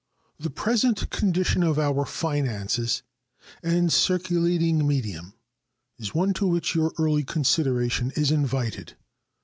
The present condition of our finances and circulating medium is one to which your early consideration is invited.